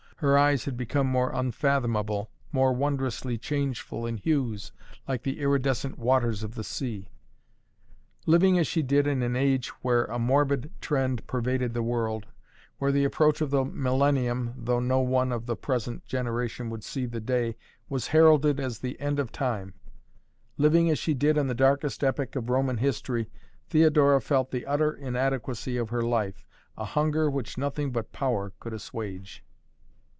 Her eyes had become more unfathomable, more wondrously changeful in hues, like the iridescent waters of the sea. Living as she did in an age where a morbid trend pervaded the world, where the approach of the Millennium, though no one of the present generation would see the day, was heralded as the End of Time; living as she did in the darkest epoch of Roman history, Theodora felt the utter inadequacy of her life, a hunger which nothing but power could assuage.